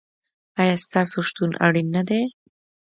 ایا ستاسو شتون اړین نه دی؟